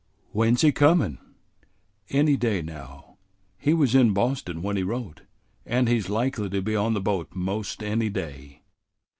"When 's he comin'?" "Any day now. He was in Boston when he wrote, and he's likely to be on the boat 'most any day."